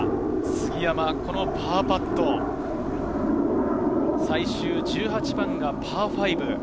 杉山、このパーパット、最終１８番がパー５。